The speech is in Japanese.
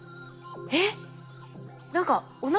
えっ？